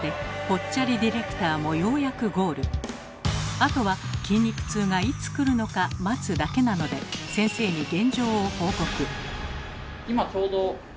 あとは筋肉痛がいつくるのか待つだけなので先生に現状を報告。